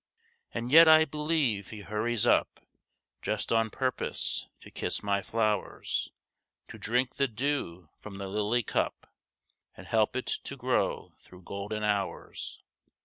And yet I believe he hurries up Just on purpose to kiss my flowers— To drink the dew from the lily cup, And help it to grow through golden hours.